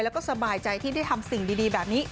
แล้วก็สบายใจที่ได้ทำสิ่งดีแบบนี้